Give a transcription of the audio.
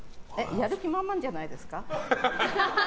やる気満々じゃないですか？